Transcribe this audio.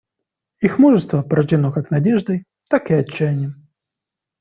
Их мужество порождено как надеждой, так и отчаянием.